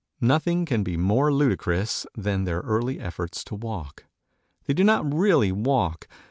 Nothing can be more ludicrous than their early efforts to walk. They do not really walk.